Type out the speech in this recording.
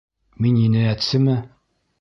Мин енәйәтсеме?